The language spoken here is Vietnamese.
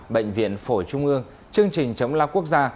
bệnh viện phổi trung ương chương trình chống lao quốc gia